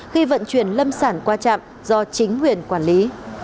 khi vận chuyển lâm sản qua trạm do chính quyền quản lý